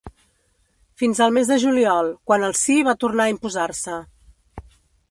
Fins al mes de juliol, quan el sí va tornar a imposar-se.